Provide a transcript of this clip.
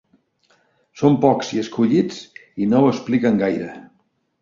Són pocs i escollits, i no ho expliquen gaire.